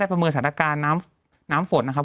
ได้ประเมินสถานการณ์น้ำฝนนะครับ